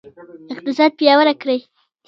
اقتصاد پیاوړی کړئ